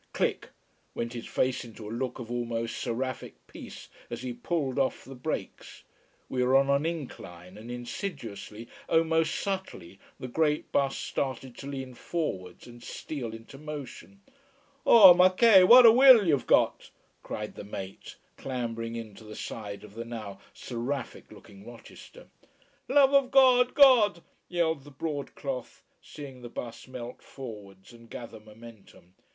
Click! went his face into a look of almost seraphic peace, as he pulled off the brakes. We were on an incline, and insidiously, oh most subtly the great bus started to lean forwards and steal into motion. "Oh ma che! what a will you've got!" cried the mate, clambering in to the side of the now seraphic looking Rochester. "Love of God God!" yelled the broad cloth, seeing the bus melt forwards and gather momentum.